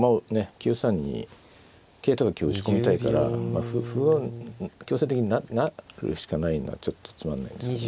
９三に桂とか香を打ち込みたいから歩を強制的に成るしかないのはちょっとつまんないんですけどね。